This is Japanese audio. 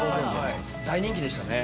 大人気でしたね。